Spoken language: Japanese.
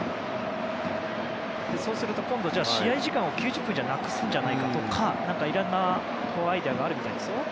そうすると試合時間を９０分じゃなくすんじゃないかとかいろんなアイデアがあるみたいです。